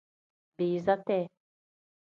Biiza tee.